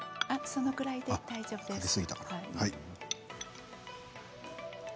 そのぐらいで大丈夫です。